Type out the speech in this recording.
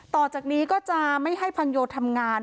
ต่อจากนี้ก็จะไม่ให้พังโยทำงาน